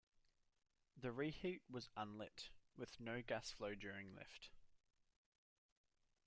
The reheat was unlit, with no gas flow during Lift.